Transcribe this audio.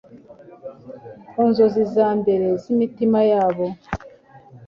Ku nzozi za mbere z'imitima yabo